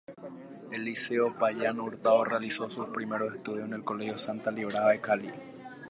Eliseo Payán Hurtado realizó sus primeros estudios en el Colegio Santa Librada de Cali.